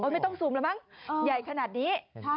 ไม่ต้องซูมแล้วมั้งใหญ่ขนาดนี้